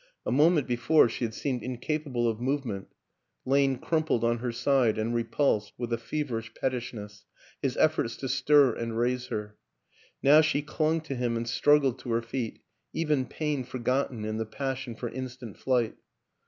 A moment before she had seemed incapable of movement, Iain crumpled on her side and repulsed, with a feverish pettishness, his efforts to stir and raise her; now she clung to him and struggled to her feet, even pain forgotten in the passion for in stant flight.